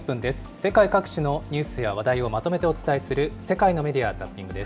世界各地のニュースや話題をまとめてお伝えする、世界のメディア・ザッピングです。